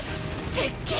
せっけん！